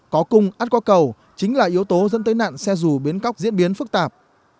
có cung át qua cầu chính là yếu tố dẫn tới nạn xe dù bến cóc diễn biến phức tạp